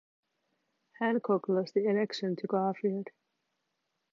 Hancock lost the election to Garfield.